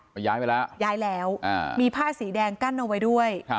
มันย้ายไปแล้วย้ายแล้ว